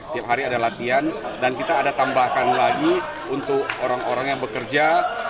tiap hari ada latihan dan kita ada tambahkan lagi untuk orang orang yang bekerja